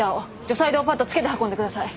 除細動パッドつけて運んでください。